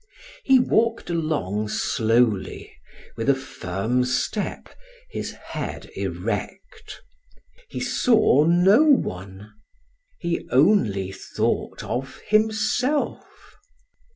He walked along slowly, with a firm step, his head erect. He saw no one. He only thought of himself.